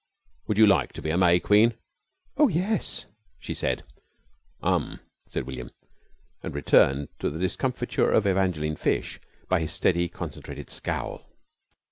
"Would you like to be a May Queen?" "Oh, yes," she said. "Um," said William, and returned to the discomfiture of Evangeline Fish by his steady concentrated scowl.